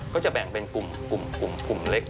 ก็จะแบ่งเป็นกลุ่มเล็ก